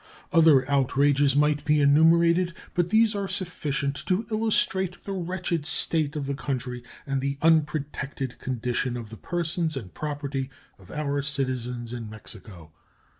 Other outrages might be enumerated, but these are sufficient to illustrate the wretched state of the country and the unprotected condition of the persons and property of our citizens in Mexico.